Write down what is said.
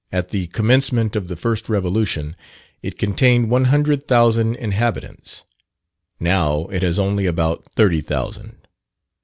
At the commencement of the first revolution, it contained one hundred thousand inhabitants; now it has only about thirty thousand.